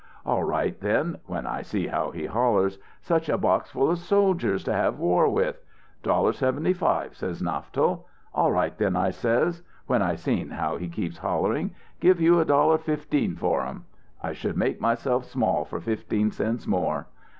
'All right then' when I see how he hollers 'such a box full of soldiers to have war with.' 'Dollar seventy five,' says Naftel. 'All right then,' I says when I seen how he keeps hollering 'give you a dollar fifteen for 'em.' I should make myself small for fifteen cents more.